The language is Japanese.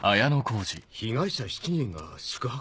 被害者７人が宿泊？